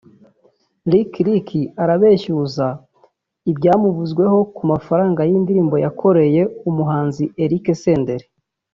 Lick Lick arabeshyuza ibyamuvuzweho ku mafaranga y’indirimbo yakoreye umuhanzi Eric Senderi